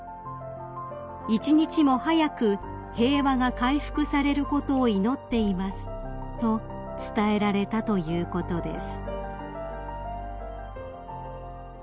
「一日も早く平和が回復されることを祈っています」と伝えられたということです］